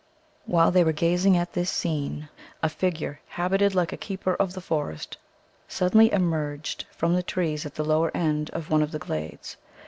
While they were gazing at this scene, a figure habited like a keeper of the forest suddenly emerged from the trees at the lower end of one of the glades.